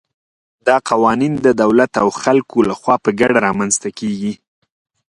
دا قوانین د دولت او خلکو له خوا په ګډه رامنځته کېږي.